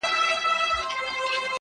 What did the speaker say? بيزو وان كړې په نكاح څلور بيبياني.!